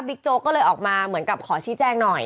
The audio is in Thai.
โจ๊กก็เลยออกมาเหมือนกับขอชี้แจ้งหน่อย